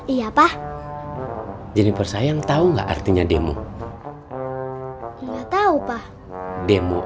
iya pak jeniper sayang tahu nggak artinya demo nggak tahu pak demo